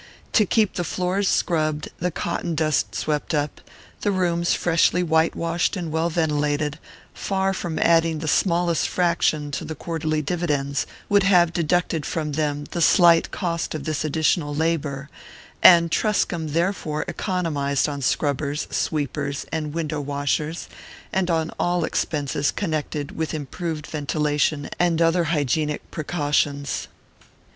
To keep the floors scrubbed, the cotton dust swept up, the rooms freshly whitewashed and well ventilated, far from adding the smallest fraction to the quarterly dividends, would have deducted from them the slight cost of this additional labour; and Truscomb therefore economized on scrubbers, sweepers and window washers, and on all expenses connected with improved ventilation and other hygienic precautions.